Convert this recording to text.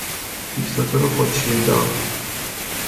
دیکتاتور خود شیدا